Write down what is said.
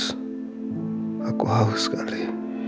hai aku haus candy